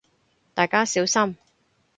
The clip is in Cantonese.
大家小心